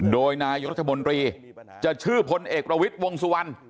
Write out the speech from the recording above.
โดยนายรัฐบนตรีจะชื่อพลเอกรวิตวงสุวรรค์